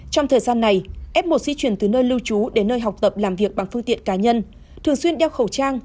trong thời gian này f một di chuyển từ nơi lưu trú đến nơi học tập làm việc bằng phương tiện cá nhân thường xuyên đeo khẩu trang